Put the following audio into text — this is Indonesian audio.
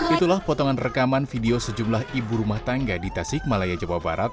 itulah potongan rekaman video sejumlah ibu rumah tangga di tasik malaya jawa barat